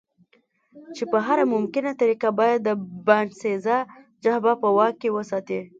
چې په هره ممکنه طریقه باید د باینسېزا جبهه په خپل واک کې وساتي.